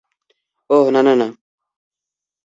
ওহ, না, না, না!